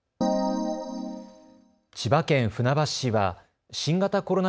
千葉県船橋市は新型コロナ